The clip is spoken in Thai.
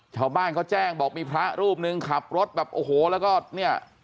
ชาวบ้านเขาแจ้งบอกมีพระรูปหนึ่งขับรถแบบโอ้โหแล้วก็เนี่ย